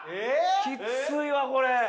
きついわこれ。